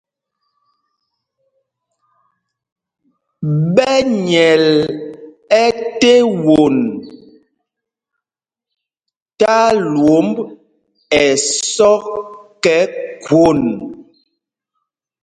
Ɓɛ nyɛl ɛte won tí alwǒmb ɛsɔk ɛ́ khwôn.